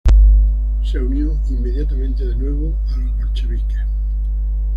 Se unió inmediatamente de nuevo a los bolcheviques.